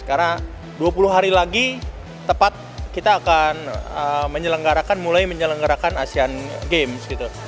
karena dua puluh hari lagi tepat kita akan menyelenggarakan mulai menyelenggarakan asean games